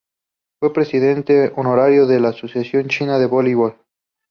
Fue Presidente Honorario de la Asociación China de Voleibol.